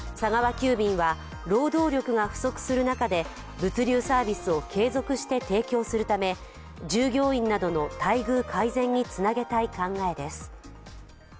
急便は労働力が不足する中で物流サービスを継続して提供するため、従業員などの待遇改善につなげたい考えです。